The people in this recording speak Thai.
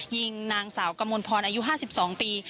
ยิงนางสาวกมลพรอายุ๕๒ปี